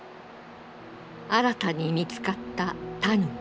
新たに見つかったタヌキ。